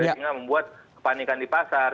sehingga membuat kepanikan di pasar